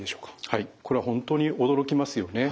これは本当に驚きますよね。